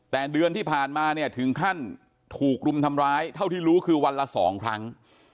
แต่เดือนที่ผ่านมาเนี่ยถึงขั้นถูกรุมทำร้ายเท่าที่รู้คือวันละ๒ครั้ง